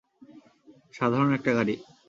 সাধারণ একটা গাড়ি।